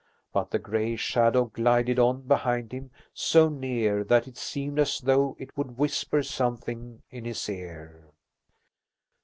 But the gray shadow glided on behind him, so near that it seemed as though it would whisper something in his ear.